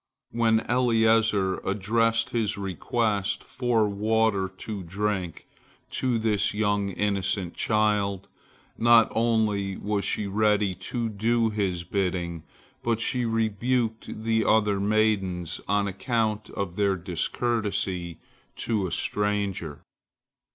When Eliezer addressed his request for water to drink to this young innocent child, not only was she ready to do his bidding, but she rebuked the other maidens on account of their discourtesy to a stranger.